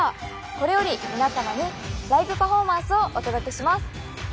これより皆様にライブパフォーマンスをお届けします。